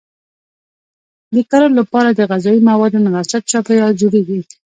د کرلو لپاره د غذایي موادو مناسب چاپیریال جوړیږي.